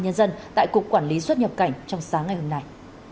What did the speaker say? nhân dân tại cục quản lý xuất nhập cảnh trong sáng ngày hôm nay